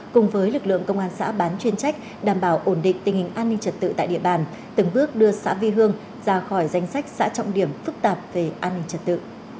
cùng với lực lượng công an xã bán chuyên trách đảm bảo ổn định tình hình an ninh trật tự tại địa bàn từng bước đưa xã vi hương ra khỏi danh sách xã trọng điểm phức tạp về an ninh trật tự